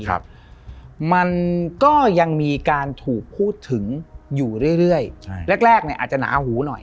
ครับมันก็ยังมีการถูกพูดถึงอยู่เรื่อยเรื่อยใช่แรกแรกเนี่ยอาจจะหนาหูหน่อย